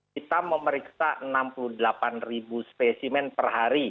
kita memeriksa enam puluh delapan ribu spesimen per hari